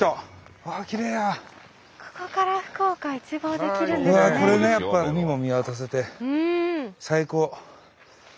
うわっこれねやっぱ海も見渡せて最高。